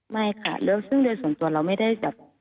ไม่ค่ะซึ่งเรื่องส่วนตัวเราไม่ได้แบบ